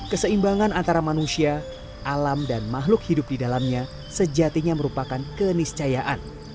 keseimbangan antara manusia alam dan makhluk hidup di dalamnya sejatinya merupakan keniscayaan